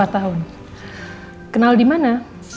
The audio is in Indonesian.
empat tahun kenal dimana